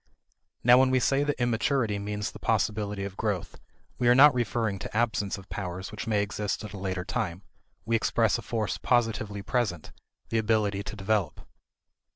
Now when we say that immaturity means the possibility of growth, we are not referring to absence of powers which may exist at a later time; we express a force positively present the ability to develop.